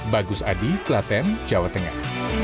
bagus adi klaten jawa tengah